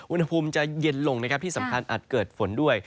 อุณหภูมิจะเย็นลงนะครับที่สำคัญอาจเกิดฝนด้วย